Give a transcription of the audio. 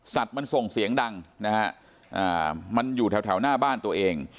สัตว์มันส่งเสียงดังมันอยู่แถวหน้าบ้านตัวเอง